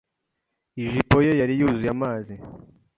ijipo ye yari yuzuye amazi.